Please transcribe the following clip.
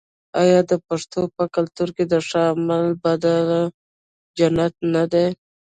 آیا د پښتنو په کلتور کې د ښه عمل بدله جنت نه دی؟